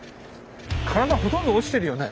体ほとんど落ちてるよね？